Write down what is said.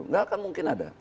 tidak akan mungkin ada